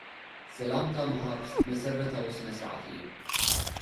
ሰላምታ ምሃብ መሰረታዊ ስነ ስርዓት እዩ።